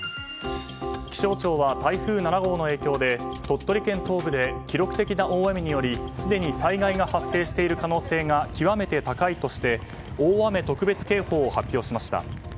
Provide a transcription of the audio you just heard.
気象庁は台風７号の影響で鳥取県東部で記録的な大雨によりすでに災害が発生している可能性が極めて高いとして大雨特別警報を発表しました。